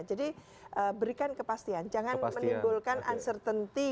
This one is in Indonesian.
jadi berikan kepastian jangan menimbulkan uncertainty